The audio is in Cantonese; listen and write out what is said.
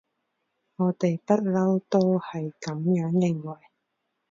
我哋不溜都係噉樣認為